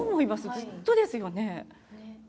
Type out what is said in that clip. ずっとですよね。